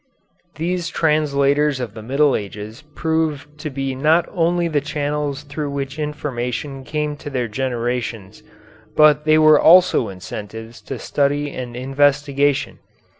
These translators of the Middle Ages proved to be not only the channels through which information came to their generations, but they were also incentives to study and investigation.